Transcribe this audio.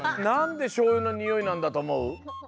なんでしょうゆのにおいなんだとおもう？